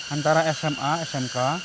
antara sma smk